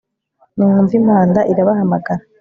nimwumve impanda irabahamagara